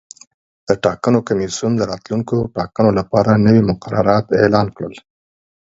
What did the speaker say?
د ټاکنو کمیسیون د راتلونکو ټاکنو لپاره نوي مقررات اعلان کړل.